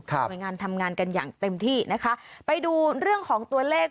หน่วยงานทำงานกันอย่างเต็มที่นะคะไปดูเรื่องของตัวเลข